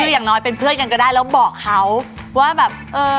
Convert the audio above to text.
คืออย่างน้อยเป็นเพื่อนกันก็ได้แล้วบอกเขาว่าแบบเออ